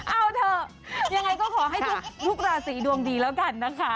เอาเถอะยังไงก็ขอให้ทุกราศีดวงดีแล้วกันนะคะ